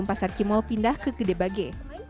pasar cimol pindah ke gedebage